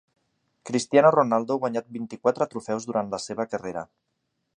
Cristiano Ronaldo ha guanyat vint-i-quatre trofeus durant la seva carrera.